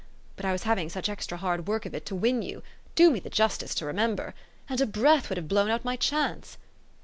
But I was having such extra hard work of it to win you, do me the justice to remember, and a breath would have blown out my chance.